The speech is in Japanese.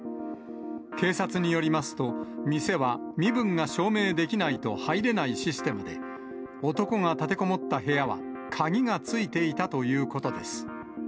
警察によりますと、店は、身分が証明できないと入れないシステムで、男が立てこもった部屋は鍵が付いていたということです。